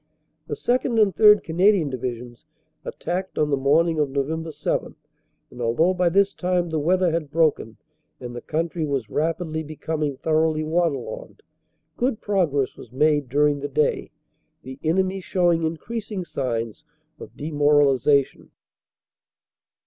"The 2nd. and 3rd. Canadian Divisions attacked on the morning of Nov. 7 and, although by this time the weather had broken and the country was rapidly becoming thoroughly water logged, good progress was made during the day, the enemy showing increasing signs of demoralization.